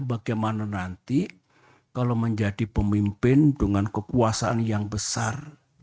bagaimana nanti kalau menjadi pemimpin dengan kekuasaan yang besar